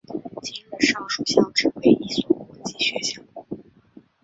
今日上述校扯为一所国际学校。